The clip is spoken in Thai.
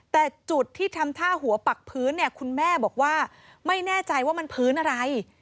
แต่จุดที่ทำท่าหัวปักพื้นเนี่ยคุณแม่บอกว่าไม่แน่ใจว่ามันพื้นอะไร